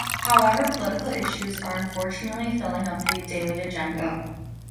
However, political issues are unfortunately filling up the daily agenda.